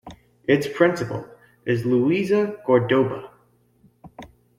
Its principal is Luisa Cordoba.